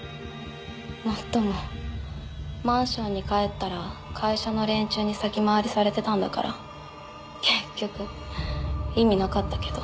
もっともマンションに帰ったら会社の連中に先回りされてたんだから結局意味なかったけど。